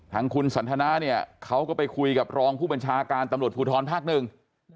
ทางคุณสันทนาเนี่ยเขาก็ไปคุยกับรองผู้บัญชาการตำรวจภูทรภาคหนึ่ง